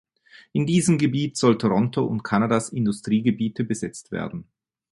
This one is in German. In diesem Gebiet soll Toronto und Kanadas Industriegebiete besetzt werden.